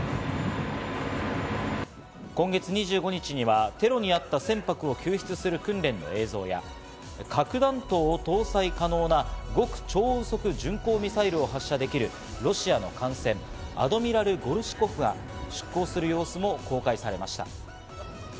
今月２５日にはテロにあった船舶を救出する訓練の映像や、核弾頭を搭載可能な極超音速ミサイルを発射できるロシアの艦船アドミラル・ゴルシコフが出港する様子も公開されました。